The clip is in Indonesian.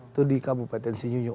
itu di kabupaten si junjung